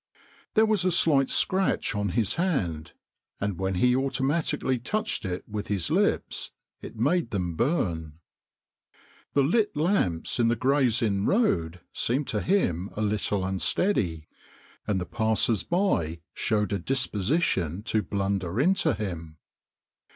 There was a slight scratch on his hand, and when he automatically touched it with his lips, it made them burn. The lit lamps in the Gray's Inn Road seemed to him a little unsteady, and the passers by showed a disposition to blunder into him.